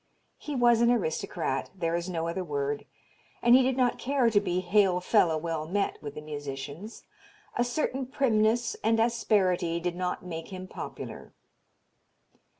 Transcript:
He was an aristocrat there is no other word and he did not care to be hail fellow well met with the musicians. A certain primness and asperity did not make him popular.